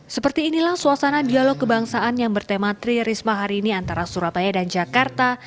seperti inilah suasana dialog kebangsaan yang bertema tri risma hari ini antara surabaya dan jakarta